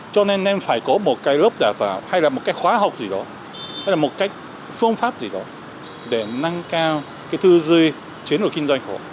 cho nên nên phải có một cái lớp đào tạo hay là một cái khóa học gì đó hay là một cái phương pháp gì đó để nâng cao cái thư duy chiến đấu kinh doanh của họ